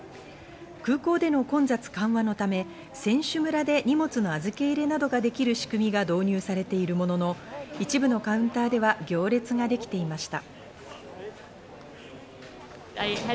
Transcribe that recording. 空港での混雑緩和のため、選手村で荷物の預け入れなどができる仕組みが導入されているものの、一部のカウンターでは行列ができていました。